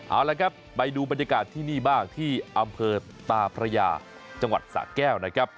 เอาละครับไปดูบรรยากาศที่นี่บ้างที่อำเภอตาพระยาจังหวัดสะแก้วนะครับ